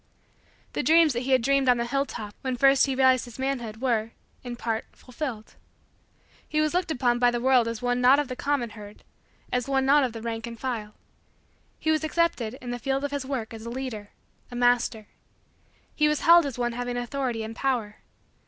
The dreams that he had dreamed on the hilltop, when first he realized his manhood, were, in part, fulfilled. He was looked upon by the world as one not of the common herd as one not of the rank and file. He was accepted, in the field of his work, as a leader a master. He was held as one having authority and power.